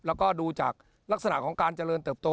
แล้วก็ดูจากลักษณะของการเจริญเติบโต